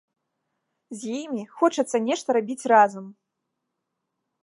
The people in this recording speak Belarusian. З імі хочацца нешта рабіць разам.